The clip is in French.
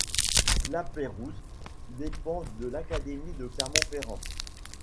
Lapeyrouse dépend de l'académie de Clermont-Ferrand.